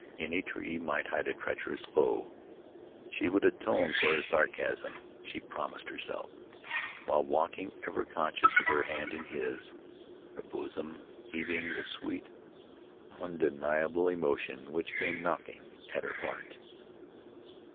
Any tree might hide a treacherous foe. She would atone for her sarcasm, she promised herself, while walking, ever conscious of her hand in his, her bosom heaving with the sweet, undeniable emotion which came knocking at her heart.